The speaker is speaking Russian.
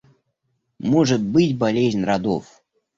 Может быть, болезнь родов.